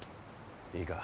「いいか？」